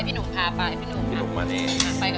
พี่หนุ่มมานี่